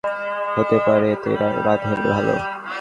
হতে পারে এতেই রাধের ভালো।